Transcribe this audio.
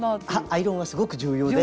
アイロンはすごく重要で。